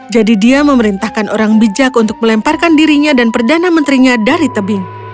jadi dia memerintahkan orang bijak untuk melemparkan dirinya dan perdana menterinya dari tebing